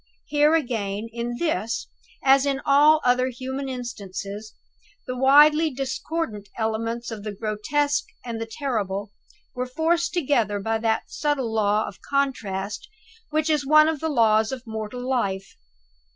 Here again, in this, as in all other human instances, the widely discordant elements of the grotesque and the terrible were forced together by that subtle law of contrast which is one of the laws of mortal life.